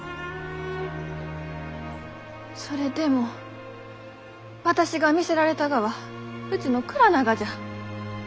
それでも私が魅せられたがはうちの蔵ながじゃ！